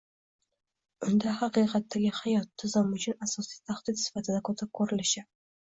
Unda “haqiqatdagi hayot” tizim uchun asosiy tahdid sifatida ko‘rilishi